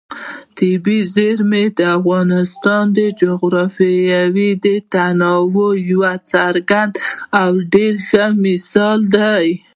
طبیعي زیرمې د افغانستان د جغرافیوي تنوع یو څرګند او ډېر ښه مثال دی.